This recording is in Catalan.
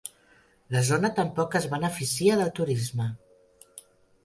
La zona tampoc es beneficia del turisme.